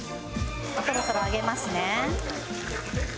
そろそろ上げますね。